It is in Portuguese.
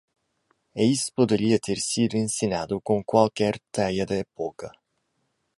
E isso poderia ter sido encenado com qualquer teia da época.